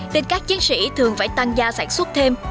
nên các chiến sĩ thường phải tăng gia sản xuất thêm